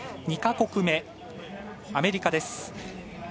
２か国目、アメリカです。